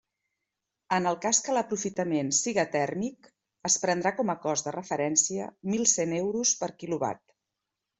En el cas que l'aprofitament siga tèrmic es prendrà com a cost de referència mil cent euros per quilovat.